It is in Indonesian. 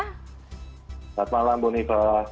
selamat malam bu unifah